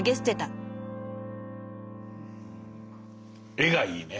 絵がいいね。